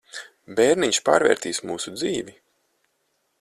Bērniņš pārvērtīs mūsu dzīvi.